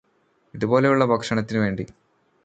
ഇതുപോലെയുള്ള ഭക്ഷണത്തിന് വേണ്ടി